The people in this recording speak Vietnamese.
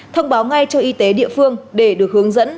thông báo ngay cho y tế địa phương để được hướng dẫn